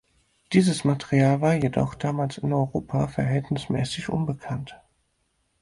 Dieses Material war jedoch damals in Europa verhältnismäßig unbekannt.